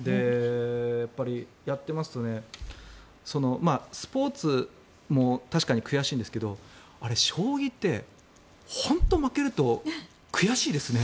やっぱり、やっていますとスポーツも確かに悔しいんですけどあれ、将棋って本当に、負けると悔しいですね。